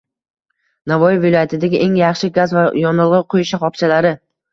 Navoiy viloyatidagi eng yaxshi gaz va yonilg‘i quyish shaxobchalari